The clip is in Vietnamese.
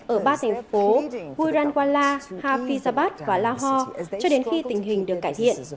ở ba thành phố burj al wala hafizabad và lahore cho đến khi tình hình được cải thiện